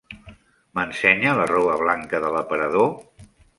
M'ensenya la roba blanca de l'aparador?